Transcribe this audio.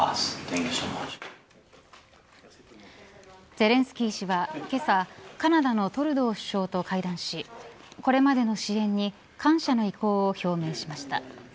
ゼレンスキー氏は、けさカナダのトルドー首相と会談しこれまでの支援に感謝の意向を表明しました。